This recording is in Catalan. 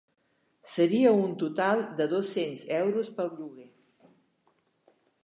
Seria un total de dos-cents euros pel lloguer.